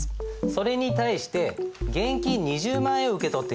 それに対して現金２０万円を受け取っている。